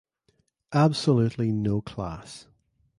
Absolutely no class.